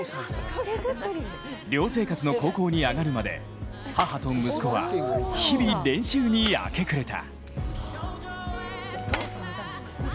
寮生活の高校に上がるまで母と息子は日々練習に明け暮れた。